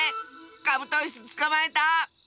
カブトイスつかまえた！